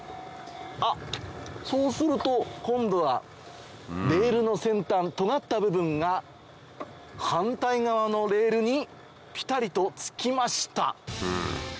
あっそうすると今度はレールの先端尖った部分が反対側のレールにピタリとつきました。